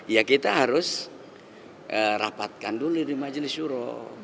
ya kita harus rapatkan dulu di majelis syuro